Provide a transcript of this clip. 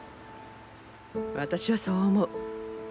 私はそう思う。